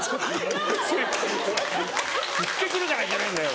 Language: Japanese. ふってくるからいけないんだよ！